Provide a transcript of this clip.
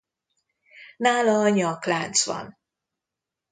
Nála a Nyaklánc van.